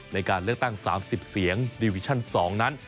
ในการเลือกตั้ง๓๐เสียงดิวิชั่น๒นั้น